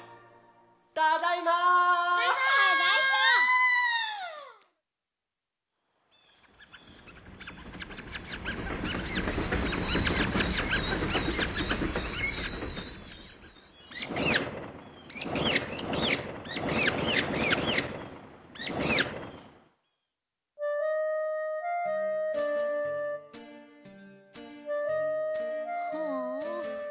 ただいま！はああ。